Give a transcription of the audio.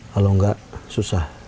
kalau nggak susah